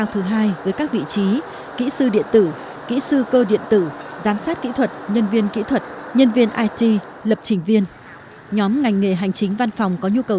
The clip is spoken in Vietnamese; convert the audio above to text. hành nghề hành chính văn phòng có nhu cầu